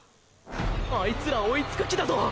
あいつら追いつく気だぞ！